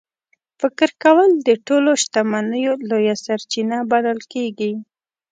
فکر کول د ټولو شتمنیو لویه سرچینه بلل کېږي.